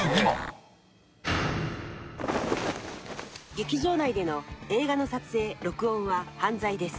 「劇場内での映画の撮影・録音は犯罪です」